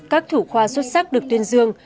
các thủ khoa xuất sắc được tuyên dương